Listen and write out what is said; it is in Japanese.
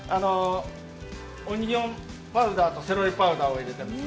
オニオンパウダーとセロリパウダーを入れています。